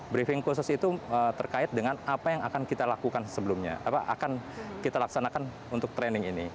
briefing khusus itu terkait dengan apa yang akan kita lakukan sebelumnya apa akan kita laksanakan untuk training ini